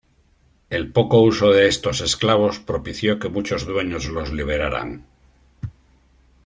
El poco uso de estos esclavos propició que muchos dueños los liberaran.